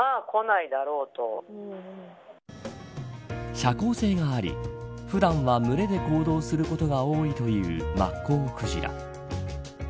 社交性があり普段は群れで行動することが多いというマッコウクジラ。